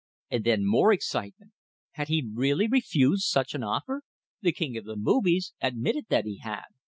And then more excitement! Had he really refused such an offer? The king of the movies admitted that he had!